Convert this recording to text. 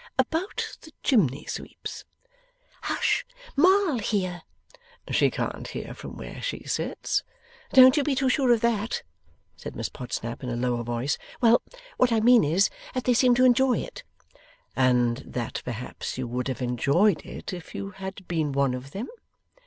About the chimney sweeps?' 'Hush! Ma'll hear.' 'She can't hear from where she sits.' 'Don't you be too sure of that,' said Miss Podsnap, in a lower voice. 'Well, what I mean is, that they seem to enjoy it.' 'And that perhaps you would have enjoyed it, if you had been one of them?